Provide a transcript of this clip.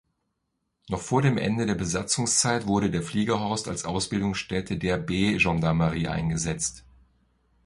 Noch vor dem Ende der Besatzungszeit wurde der Fliegerhorst als Ausbildungsstätte der B-Gendarmerie eingesetzt.